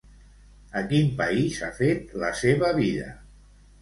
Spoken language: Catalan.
A quin país ha fet la seva vida?